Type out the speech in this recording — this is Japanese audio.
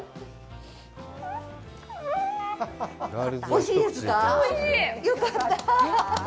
おいしいですか？